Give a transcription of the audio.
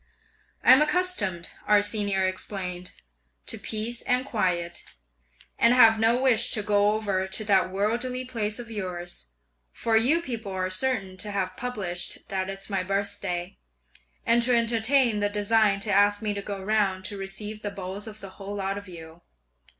"'I'm accustomed,' our Senior explained, 'to peace and quiet, and have no wish to go over to that worldly place of yours; for you people are certain to have published that it's my birthday, and to entertain the design to ask me to go round to receive the bows of the whole lot of you.